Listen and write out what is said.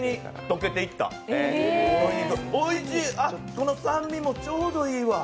この酸味もちょうどいいわ。